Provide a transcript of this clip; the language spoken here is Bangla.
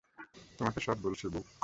তোমাকে সব বলছি, ব্যুক।